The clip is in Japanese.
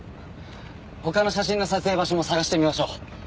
他の写真の撮影場所も探してみましょう。